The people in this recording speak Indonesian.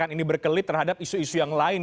ini berkelit terhadap isu isu yang lain